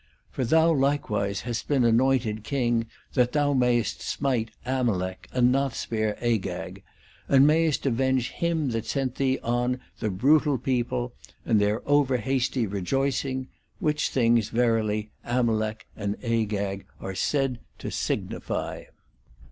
For thou likewise hast been anointed king that thou mayest smite Amalek, and not spare Agag ; and mayest avenge him that sent thee on 'the brutal people', and their 4 over hasty rejoicing' (which things verily ' Amalek ' and ' Agag ' are said to signify).